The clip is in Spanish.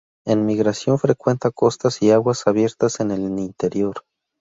En migración frecuentan costas y aguas abiertas en el interior.